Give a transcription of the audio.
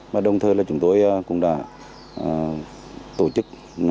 mà đồng thời là chúng tôi cũng đã tổ chức